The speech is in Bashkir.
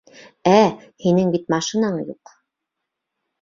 Ә-ә, һинең бит машинаң юҡ!